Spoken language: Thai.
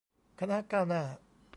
คณะก้าวหน้า